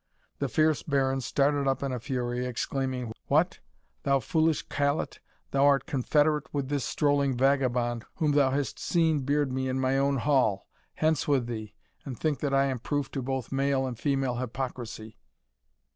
The fierce Baron started up in a fury, exclaiming, "What! thou foolish callet, art thou confederate with this strolling vagabond, whom thou hast seen beard me in my own hall! Hence with thee, and think that I ana proof both to male and female hypocrisy!"